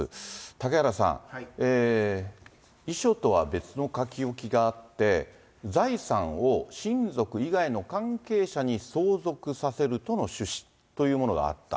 嵩原さん、遺書とは別の書き置きがあって、財産を親族以外の関係者に相続させるとの趣旨というものがあった。